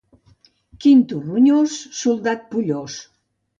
Quinto ronyós, soldat pollós.